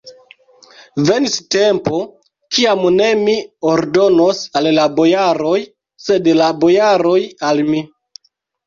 Venis tempo, kiam ne mi ordonos al la bojaroj, sed la bojaroj al mi!